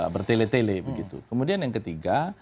bertele tele begitu kemudian yang ketiga